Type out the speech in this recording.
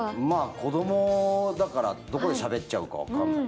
子どもだからどこでしゃべっちゃうかわからない。